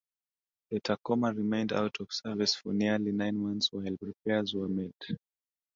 The "Tacoma" remained out of service for nearly nine months while repairs were made.